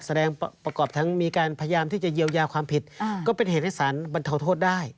ประกอบทั้งมีการพยายามที่จะเยียวยาความผิดก็เป็นเหตุให้สารบรรเทาโทษได้